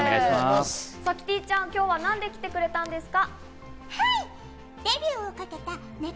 さぁ、キティちゃん、今日は何で来てくれたんですか？